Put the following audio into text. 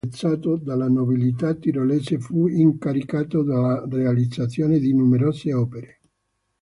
Molto apprezzato dalla nobiltà tirolese fu incaricato della realizzazione di numerose opere.